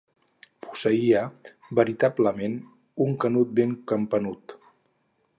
Posseïa, veritablement, un canut ben campanut.